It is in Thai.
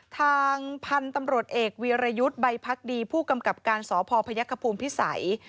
ทางพันธุ์ตำรวจเอกวีรยุทธ์ใบพักดีผู้กำกับการสพพยักษภูมิพิสัย